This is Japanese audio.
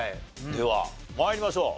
では参りましょう。